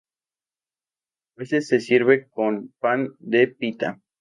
A veces se sirve con pan de pita.